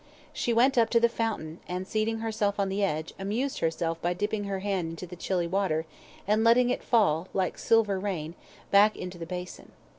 She went up to the fountain, and seating herself on the edge, amused herself by dipping her hand into the chilly water, and letting it fall, like silver rain, back into the basin.